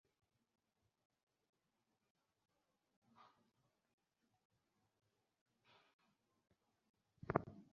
পূর্বশত্রুতার জের ধরে তারাজুলকে গুলি করা হয়েছে বলে স্বীকারোক্তি দেন তিনি।